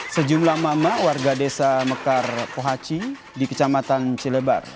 sejumlah mama warga desa mekar pohaci di kecamatan cilebar